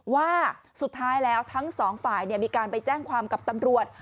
ว่าสุดท้ายแล้วทั้งสองฝ่ายมีการไปแจ้งความกับตำรวจ